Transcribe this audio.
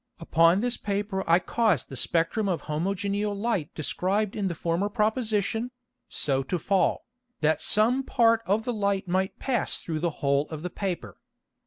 Upon this Paper I caused the Spectrum of homogeneal Light described in the former Proposition, so to fall, that some part of the Light might pass through the Hole of the Paper.